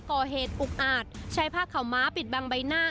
พอเหตุอุกอาจใช้ผ้าข่าวม้าปิดบางใบหน้า